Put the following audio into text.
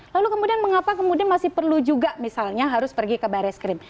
lalu kemudian mengapa kemudian masih perlu juga misalnya harus pergi ke baris krim